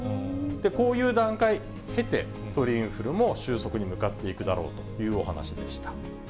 こういう段階を経て、鳥インフルも収束に向かっていくだろうというお話でした。